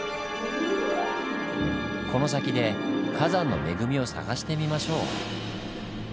この先で火山の恵みを探してみましょう。